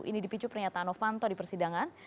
ini dipicu pernyataan novanto di persidangan